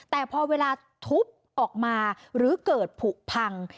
แต่พอเวลาทุบออกมาหรือเกิดผูกพัง